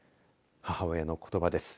母親のことばです。